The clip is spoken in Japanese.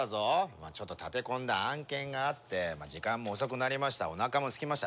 今ちょっと立て込んだ案件があって時間も遅くなりましたおなかもすきました